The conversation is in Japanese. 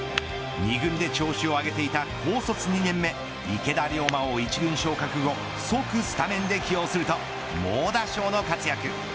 ２軍で調子を上げていた高卒２年目池田陵真を１軍昇格後即スタメンで起用すると猛打賞の活躍。